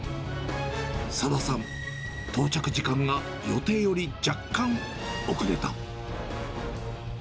佐田さん、到着時間が予定より若干遅れた。